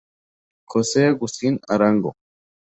Jose Agustín Arango.